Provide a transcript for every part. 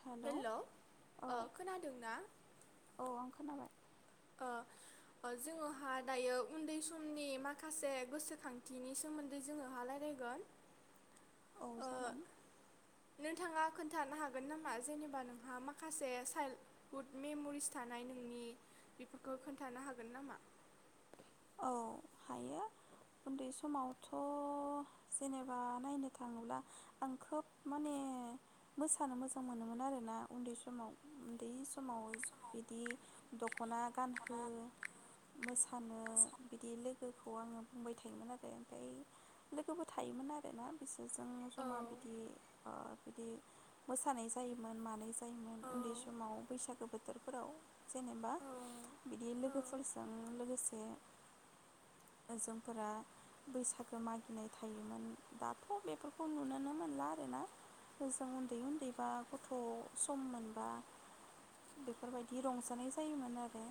hello hello ओ औ खोनादोंना औ आं खोनाबाय ओ जोङोहा दायो उन्दै समनि माखासे गोसोखांथिनि सोमोन्दै जोङोहा लायरायगोन औ जागोन [inaudible] नोंथाङा खोन्थानो हागोन नामा जेनेबा नोंहा माखासे चाइल्डहुड मेमरिस थानाय नोंनि बेफोरखौ खोन्थानो हागोन नामा औ हायो उन्दै समावथ जेनेबा नायनो थाङोब्ला आं खोब माने मोसानो मोजां मोनोमोन आरोना उन्दै समाव उन्दै समाव बिदि दखना गानहो मोसा फ बिदि लोगोखौ आङो बुंबाय थायोमोन आरो ओमफ्राय लोगोबो थायोमोन आरोना बिस जों औ जमा बिदि ओ बिदि मोसानाय जायोमोन मानाय जायोमोन औ उन्दै समाव बैसागो बोथोरफोराव जेनेबा औ बिदि लोगोफोरजों लोगोसे एसे जोंफोरा बैसागो मागिनाय थायोमोन दाथ बेफोरखौ नुनोनो मोनला आरोना ओजों उन्दै उन्दैबा गथ सम मोनबा बेफोरबायदि रंजानाय जायोमोन आरो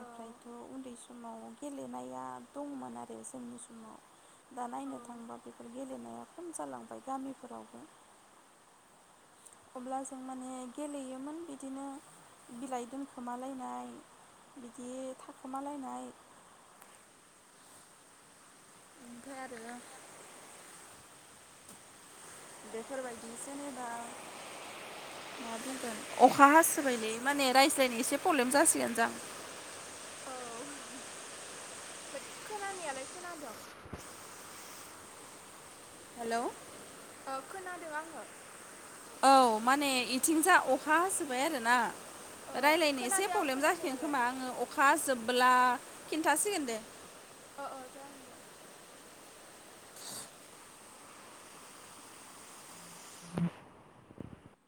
औ उन्दै सम गेलेनाया दंमोन आरो जोंनि समाव दा औ नायनो थांबा बेफोर गेले नाया खम जालांबाय गामिफोरावबो अब्ला जों माने गेलेयोमोन बिदिनो बिलाइ दोनखोमालायनाय बिदि थाखोमालायनाय [unintelligible] ओमफ्राय आरो बेफोरबायदि जेनेबा मा बुंगोन अखा हासोबायलै माने रायज्लायनो एसे पलेम जासिगोन दां औ बाद खोनानायालाय खोनादों [unintelligible] हेलौ ओ खोनादों आङो औ माने इथिंजा अखा हासोबाय आरोना ओ रायलायनो एसे खोनादों आं पलेम जासिगोन खोनानायालाय खोमा आङो अखा हाजो होमब्ला खिन्थासिगोन दे अ अ जागोन दे [unintelligible]